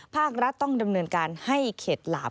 ภาครัฐต้องดำเนินการให้เข็ดหลาม